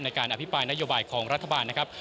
การอภิปรายนโยบายของรัฐบาลนะครับ